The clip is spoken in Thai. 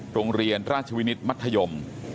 โรงเรียนราชวินิตมัธยม